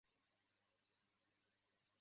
还是再度找上门